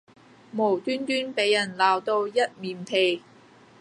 無端端俾人鬧到一面屁